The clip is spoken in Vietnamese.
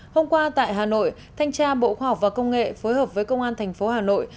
hôm qua tại hà nội thanh tra bộ khoa học và công nghệ phối hợp với công an thành phố hà nội